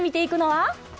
はい。